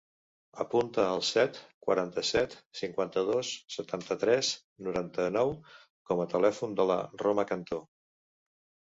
Apunta el set, quaranta-set, cinquanta-dos, setanta-tres, noranta-nou com a telèfon de la Roma Canto.